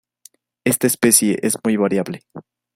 Esta especie es muy variable.